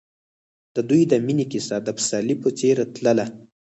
د دوی د مینې کیسه د پسرلی په څېر تلله.